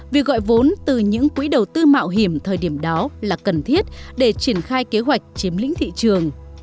việc gọi vốn từ những quỹ đầu tư mạo hiểm thời điểm đó là cần thiết để triển khai kế hoạch chiếm lĩnh thị trường